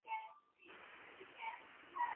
他也代表芬兰国家男子篮球队参赛。